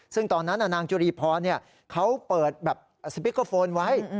ซึ่งตอนนั้นนางจุรีพรเขาเปิดแบบสปิกเกอร์โฟนไว้